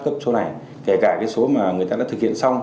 cấp số này kể cả số người ta đã thực hiện xong